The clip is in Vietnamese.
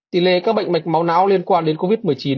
tỷ lệ các bệnh mạch máu não liên quan đến covid một mươi chín